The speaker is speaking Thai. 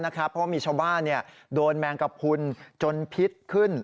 เพราะว่ามีชาวบ้านโดนแมงกระพุนจนพิษขึ้น